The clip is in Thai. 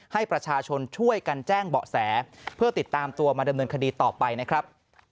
ให้ประชาชนช่วยกันแจ้งเบาะแสเพื่อติดตามตัวมาดำเนินคดีต่อไปนะครับ